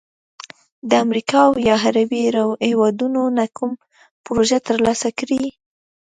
د امریکا او یا عربي هیوادونو نه کومه پروژه تر لاسه کړي،